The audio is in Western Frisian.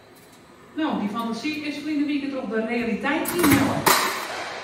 No, dy fantasy is ferline wike troch de realiteit ynhelle.